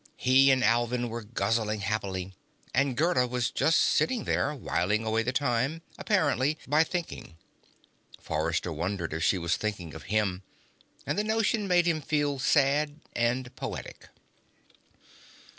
He and Alvin were guzzling happily, and Gerda was just sitting there, whiling away the time, apparently, by thinking. Forrester wondered if she was thinking of him, and the notion made him feel sad and poetic.